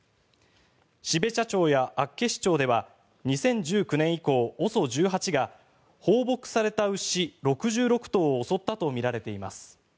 標茶町や厚岸町では２０１９年以降ＯＳＯ１８が放牧された牛６６頭を襲ったとみられています。